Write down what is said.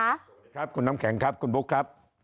สวัสดีครับคุณน้ำแข็งครับคุณบุ๊คครับ